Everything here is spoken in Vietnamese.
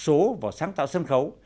số vào sáng tạo sân khấu